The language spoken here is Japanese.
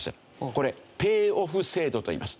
これペイオフ制度といいます。